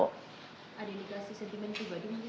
ada dikasih sentimen juga dong